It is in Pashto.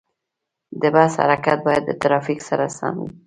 د بس حرکت باید د ترافیک سره سم وي.